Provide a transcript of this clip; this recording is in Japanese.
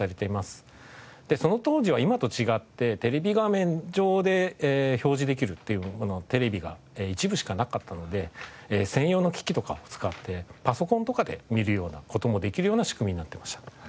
その当時は今と違ってテレビ画面上で表示できるっていうテレビが一部しかなかったので専用の機器とかを使ってパソコンとかで見るような事もできるような仕組みになってました。